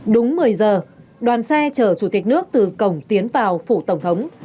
đúng một mươi giờ đoàn xe chở chủ tịch nước từ cổng tiến vào phủ tổng thống